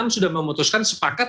sudah memutuskan sepakat